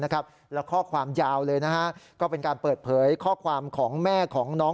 แล้วข้อความยาวเลยนะฮะก็เป็นการเปิดเผยข้อความของแม่ของน้อง